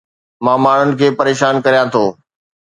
مان ماڻهن کي پريشان ڪريان ٿو